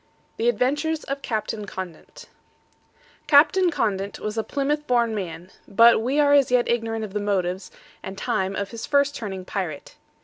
THE ADVENTURES OF CAPTAIN CONDENT Captain Condent was a Plymouth man born, but we are as yet ignorant of the motives and time of his first turning pirate.